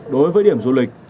đối với điểm du lịch